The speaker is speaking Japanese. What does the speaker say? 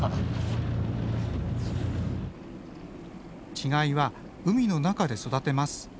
稚貝は海の中で育てます。